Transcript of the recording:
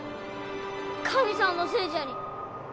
神さんのせいじゃに。